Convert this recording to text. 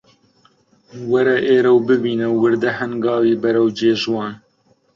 وەرە ئێرە و ببینە وردە هەنگاوی بەرەو جێژوان